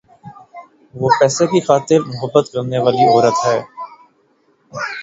وہ پیسے کی خاطر مُحبت کرنے والی عورت ہے۔`